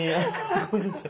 ごめんなさい。